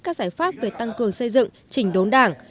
các giải pháp về tăng cường xây dựng chỉnh đốn đảng